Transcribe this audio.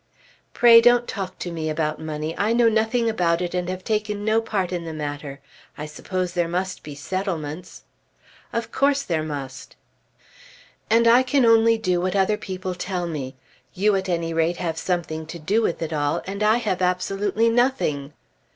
"Pray don't talk to me about money. I know nothing about it and have taken no part in the matter. I suppose there must be settlements?" "Of course there must." "And I can only do what other people tell me. You at any rate have something to do with it all, and I have absolutely nothing."